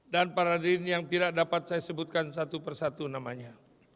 dan para adil yang tidak dapat saya sebutkan satu persatu namanya